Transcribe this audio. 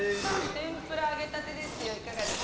天ぷら揚げたてです。